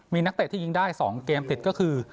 มีนักเตะที่ยิงได้๒เกมติดก็คือ